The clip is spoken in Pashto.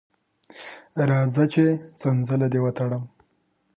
راځه چې څنځله دې وتړم.